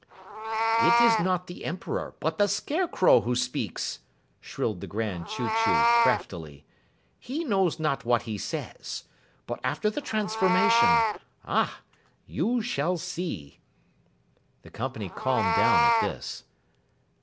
"It is not the Emperor, but the Scarecrow who speaks!" shrilled the Grand Chew Chew craftily. "He knows not what he says. But after the transformation Ah, you shall see!" The company calmed down at this.